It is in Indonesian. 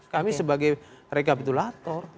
kami sebagai rekapitulator